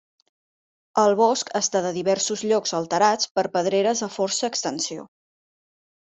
El bosc està de diversos llocs alterats per pedreres de força extensió.